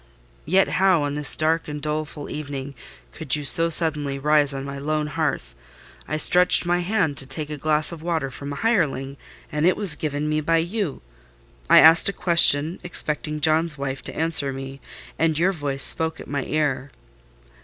"Yet how, on this dark and doleful evening, could you so suddenly rise on my lone hearth? I stretched my hand to take a glass of water from a hireling, and it was given me by you: I asked a question, expecting John's wife to answer me, and your voice spoke at my ear."